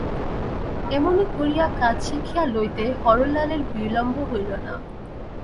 এমনি করিয়া কাজ শিখিয়া লইতে হরলালের বিলম্ব হইল না।